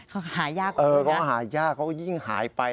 เขาหายากเหรอคะเขาหายากเขายิ่งหายไป